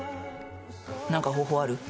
何か方法ある。